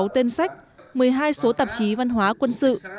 bảy trăm năm mươi sáu tên sách một mươi hai số tạp chí văn hóa quân sự